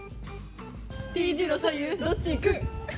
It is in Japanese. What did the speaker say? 丁字路左右、どっち行く？